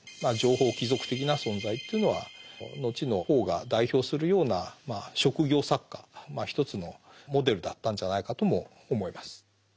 情報貴族的な存在というのは後のポーが代表するような職業作家一つのモデルだったんじゃないかとも思います。